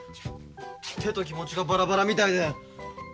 手と気持ちがバラバラみたいで。